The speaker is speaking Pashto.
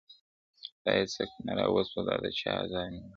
خدایه څه کانه را وسوه، دا د چا آزار مي واخیست.!